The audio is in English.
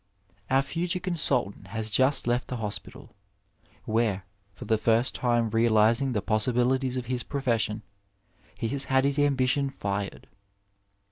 Our future consultant has just left the hospital, where, for the first time realiadng the possibilities of his profession, he has had his ambition fired.